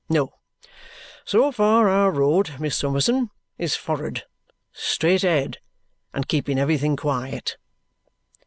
No! So far our road, Miss Summerson, is for'ard straight ahead and keeping everything quiet!"